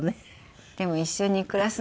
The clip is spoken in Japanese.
でも一緒に暮らすのは無理で。